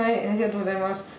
ありがとうございます。